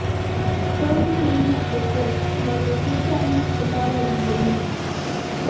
Fue una niña precoz, y a los siete años tocaba el violín.